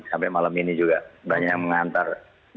sampai malam ini juga banyak yang mengantar